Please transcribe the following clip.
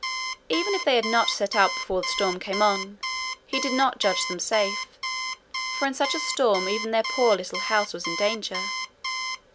Even if they had not set out before the storm came on, he did not judge them safe, for in such a storm even their poor little house was in danger.